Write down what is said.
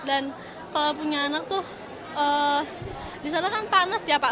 dan kalau punya anak tuh di sana kan panas ya pak